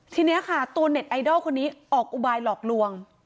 ทีนี้ค่ะตัวเน็ตไอดอลคนนี้ออกอุบายหลอกลวง